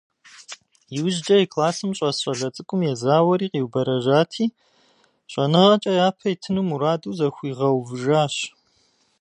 Иужькӏэ и классым щӏэс щӏалэ цӏыкӏум езауэри, къиубэрэжьати, щӏэныгъэкӏэ япэ итыну мураду зыхуигъэувыжащ.